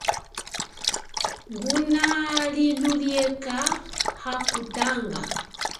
Nguna lilulieka hakutanga.